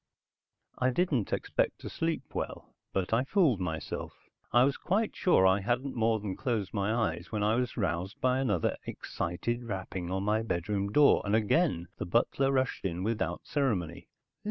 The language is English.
I didn't expect to sleep well, but I fooled myself. I was quite sure I hadn't more than closed my eyes when I was roused by another excited rapping on my bedroom door and again the butler rushed in without ceremony.